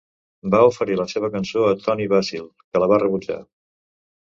Va oferir la seva cançó a Toni Basil, que la va rebutjar.